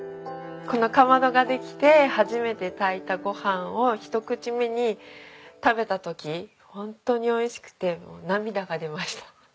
このかまどができて初めて炊いたご飯を一口目に食べた時ホントにおいしくて涙が出ました。